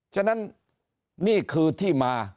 ฉะนั้นนี่คือที่มา